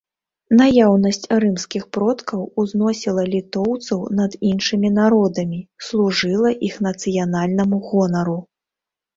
Наяўнасць рымскіх продкаў узносіла літоўцаў над іншымі народамі, служыла іх нацыянальнаму гонару.